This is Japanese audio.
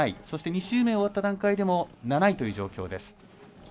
そして２周目終わった段階でも７位という状況です。